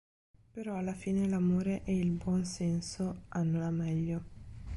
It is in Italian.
Però alla fine l'amore e il buon senso hanno la meglio.